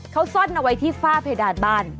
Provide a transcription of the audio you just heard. เขาซ่อนเอาไว้ที่ฝ้าเพดานบ้าน